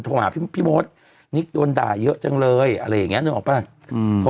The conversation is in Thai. โทรหาพี่มดนิกโดนด่าเยอะจังเลยอะไรอย่างเงี้นึกออกป่ะอืม